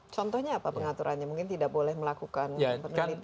contohnya apa pengaturannya mungkin tidak boleh melakukan penelitian